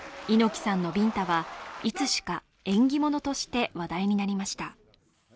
猪木さんのビンタはいつしか縁起物として話題になりました。